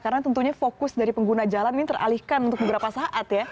karena tentunya fokus dari pengguna jalan ini teralihkan untuk beberapa saat ya